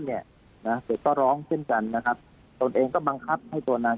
เนี่ยนะเด็กก็ร้องเช่นกันนะครับตนเองก็บังคับให้ตัวนาง